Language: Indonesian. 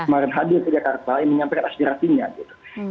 kemarin hadir ke jakarta yang menyampaikan aspirasinya gitu